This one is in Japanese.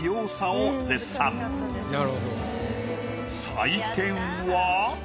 採点は。